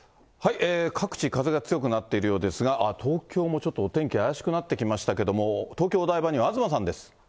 各地風が強くなっているようですが、東京もちょっとお天気、怪しくなってきましたけれども、東京・お台場には東さんです。